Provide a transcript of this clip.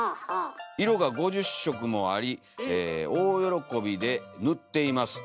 色が５０色もあり大よろこびでぬっています」。